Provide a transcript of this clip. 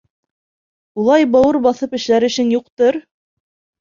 Улай бауыр баҫып эшләр эшең юҡтыр?